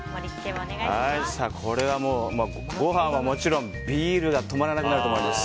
これはもう、ご飯はもちろんビールが止まらなくなると思います。